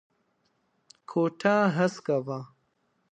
کوټه هسکه وه.